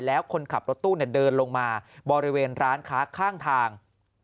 แล้วคนขับรถตู้เดินลงมาบริเวณร้านค้าข้างทาง